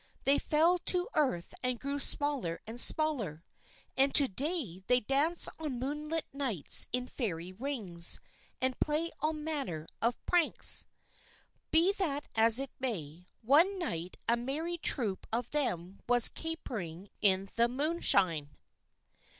They fell to earth and grew smaller and smaller. And to day they dance on moonlit nights in Fairy Rings, and play all manner of pranks. Be that as it may, one night a merry troop of them was capering in the moonshine.